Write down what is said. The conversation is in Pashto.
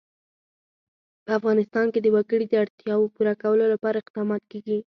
په افغانستان کې د وګړي د اړتیاوو پوره کولو لپاره اقدامات کېږي.